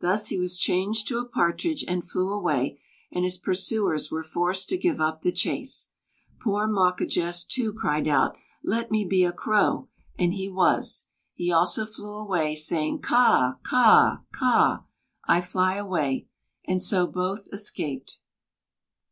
Thus he was changed to a Partridge, and flew away; and his pursuers were forced to give up the chase. Poor Mawquejess too cried out: "Let me be a crow;" and he was. He also flew away, saying: "Ca, ca, ca!" (I fly away); and so both escaped.